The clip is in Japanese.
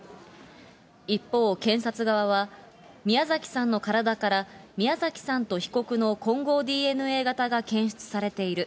一方、検察側は、宮崎さんの体から、宮崎さんと被告の混交ＤＮＡ型が検出されている。